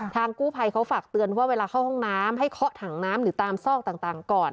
กู้ภัยเขาฝากเตือนว่าเวลาเข้าห้องน้ำให้เคาะถังน้ำหรือตามซอกต่างก่อน